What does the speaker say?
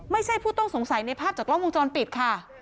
ผู้ต้องสงสัยในภาพจากกล้องวงจรปิดค่ะ